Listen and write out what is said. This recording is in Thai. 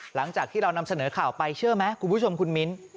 หลังจากที่เรานำเสนอข่าวไปเชื่อไหมคุณผู้ชมคุณมิ้น